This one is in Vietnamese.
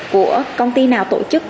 của công ty nào tổ chức